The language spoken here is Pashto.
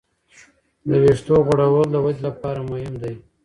د وېښتو غوړول د ودې لپاره مهم دی.